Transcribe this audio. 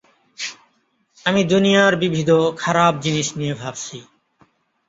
আমি দুনিয়ার বিবিধ খারাপ জিনিস নিয়ে ভাবছি।